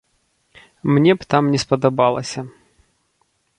Мне б там не спадабалася.